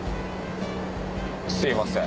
すいません